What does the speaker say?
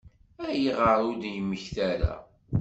Ayɣer ur d-yemmekta ara?